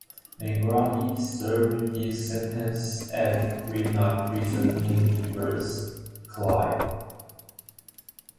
Megrahi served his sentence at Greenock prison in Inverclyde.